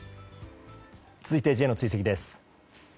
続いてＪの追跡です。